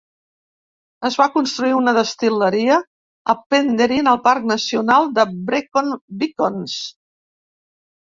Es va construir una destil·leria a Penderyn, al Parc Nacional de Brecon Beacons.